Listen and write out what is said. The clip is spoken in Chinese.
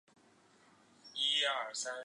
刑部尚书刘璟之子。